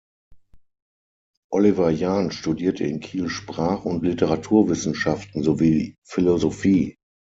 Oliver Jahn studierte in Kiel Sprach- und Literaturwissenschaften sowie Philosophie.